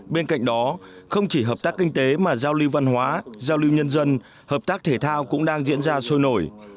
bên cạnh đó không chỉ hợp tác kinh tế mà giao lưu văn hóa giao lưu nhân dân hợp tác thể thao cũng đang diễn ra sôi nổi